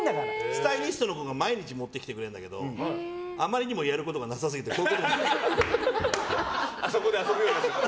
スタイリストの方が毎日持ってきてくれるんだけどあまりにもやることがなさ過ぎてこういうことやるようになった。